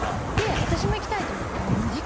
私も行きたいと思って。